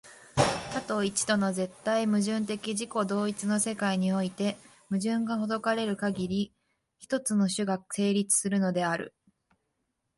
多と一との絶対矛盾的自己同一の世界において、矛盾が解かれるかぎり、一つの種が成立するのである。